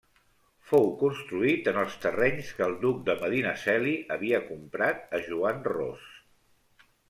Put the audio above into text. Fou construït en els terrenys que el duc de Medinaceli havia comprat a Joan Ros.